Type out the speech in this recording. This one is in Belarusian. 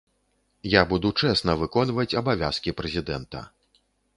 Я буду чэсна выконваць абавязкі прэзідэнта.